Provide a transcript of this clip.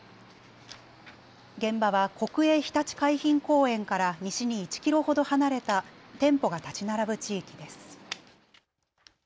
現場は国営ひたち海浜公園から西に１キロほど離れた店舗が建ち並ぶ地域です。